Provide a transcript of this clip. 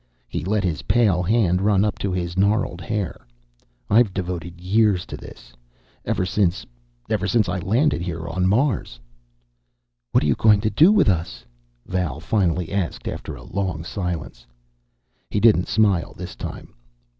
He let his pale hand run up into his gnarled hair. "I've devoted years to this. Ever since ever since I landed here on Mars." "What are you going to do with us?" Val finally asked, after a long silence. He didn't smile this time.